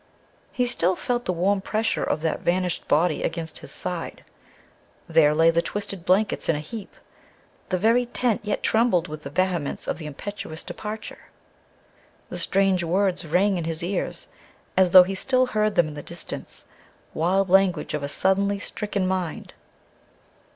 He still felt the warm pressure of that vanished body against his side; there lay the twisted blankets in a heap; the very tent yet trembled with the vehemence of the impetuous departure. The strange words rang in his ears, as though he still heard them in the distance wild language of a suddenly stricken mind.